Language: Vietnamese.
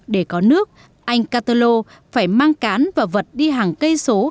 để có nước anh cát tơ lô phải mang cán và vật đi hàng cây số